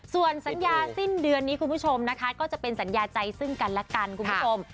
ส่วนสัญญาสิ้นเดือนนี้คุณผู้ชมนะคะก็จะเป็นสัญญาใจซึ่งกันและกันคุณผู้ชม